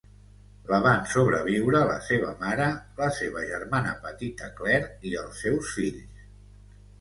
La van sobreviure la seva mare, la seva germana petita Claire i els seus fills.